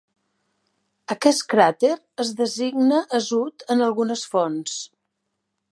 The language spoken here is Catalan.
Aquest cràter es designa "Azout" en algunes fonts.